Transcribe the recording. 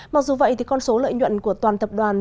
mặc dù vậy thì con số lợi nhuận của toàn tập đoàn